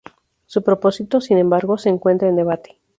Su propósito, sin embargo, se encuentra en debate.